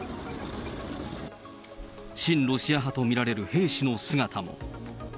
親ロシア派と見られる兵士の姿も。